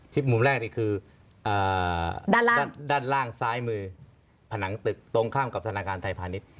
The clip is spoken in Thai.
มุมแรกนี่คือด้านล่างซ้ายมือผนังตึกตรงข้ามกับธนาคารไทยพาณิชย